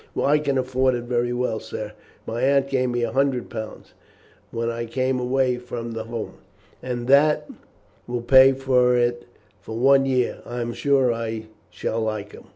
"I can afford it very well, sir. My aunt gave me a hundred pounds when I came away from home, and that will pay for it for one year. I am sure I shall like him."